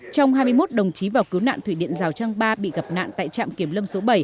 trong hai mươi một đồng chí vào cứu nạn thủy điện rào trang ba bị gặp nạn tại trạm kiểm lâm số bảy